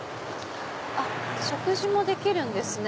食事もできるんですね